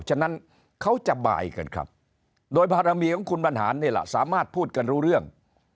ฉะนั้นเขาจะบายกันครับโดยภารเมียของคุณบรรหารนี่แหละสามารถพูดกันรู้เรื่อง